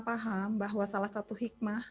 paham bahwa salah satu hikmah